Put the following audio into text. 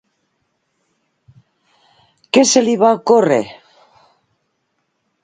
Què se li va ocórrer?